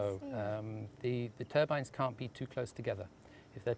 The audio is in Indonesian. kami memiliki pengalaman dan pengetahuan